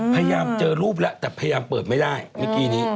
พยายามเจอรูปแล้วแต่พยายามเปิดไม่ได้เมื่อกี้นี้